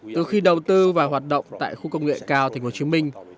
từ khi đầu tư và hoạt động tại khu công nghệ cao thành phố hồ chí minh